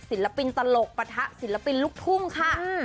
ศิลปินตลกปะทะศิลปินลูกทุ่งค่ะ